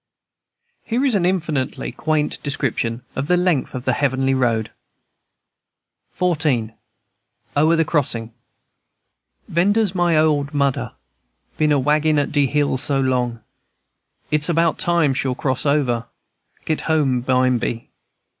Here is an infinitely quaint description of the length of the heavenly road: XIV. O'ER THE CROSSING. "Vender's my old mudder, Been a waggin' at de hill so long. It's about time she'll cross over; Get home bimeby.